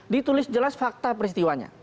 ditulis jelas fakta peristiwanya